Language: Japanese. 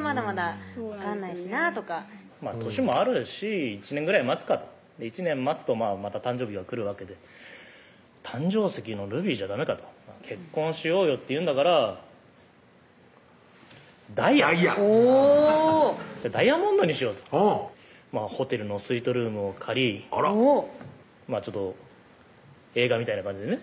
まだまだ分かんないしなとか歳もあるし１年ぐらい待つかと１年待つとまた誕生日が来るわけで誕生石のルビーじゃダメかと「結婚しようよ」って言うんだからダイヤダイヤダイヤモンドにしようとほうホテルのスイートルームを借りあらちょっと映画みたいな感じでね